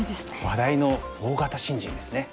話題の大型新人ですね。